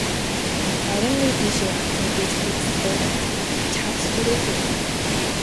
Харин би тийшээ явахгүй гэж хөөцөлдөөд, чадал хүрээгүй юм.